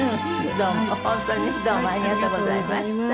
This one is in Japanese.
どうも本当にどうもありがとうございました。